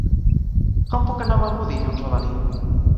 Com puc anar a Begur dilluns a la nit?